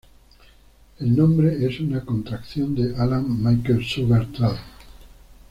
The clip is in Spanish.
El nombre es una contracción de Alan Michael Sugar Trading.